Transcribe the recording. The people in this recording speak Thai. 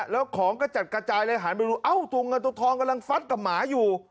แล้วของก็จัดกระจายเลยหันไปดูเอ้าตัวเงินตัวทองกำลังฟัดกับหมาอยู่